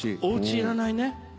おうちいらないね。